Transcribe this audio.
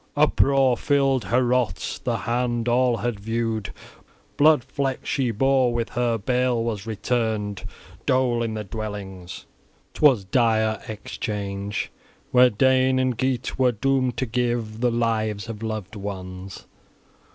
Uproar filled Heorot; the hand all had viewed, blood flecked, she bore with her; bale was returned, dole in the dwellings: 'twas dire exchange where Dane and Geat were doomed to give the lives of loved ones.